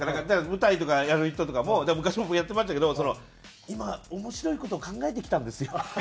舞台とかやる人とかも昔僕やってましたけど「今面白い事を考えてきたんですよ」。